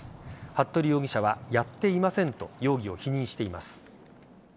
服部容疑者は、やっていませんと容疑を否認しています。